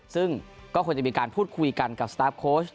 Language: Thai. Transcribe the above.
ซึ่งก็ควรจะมีการพูดคุยกันกับสตาร์ฟโค้ช